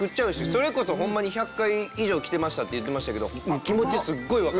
それこそホンマに１００回以上来てましたって言ってましたけど気持ちすっごいわかります。